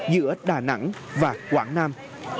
giữa đà nẵng và quảng nam